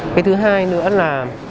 cái thứ hai nữa là